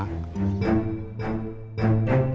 sebelum pr duty